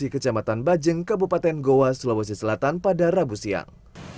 di kecamatan bajeng kabupaten goa sulawesi selatan pada rabu siang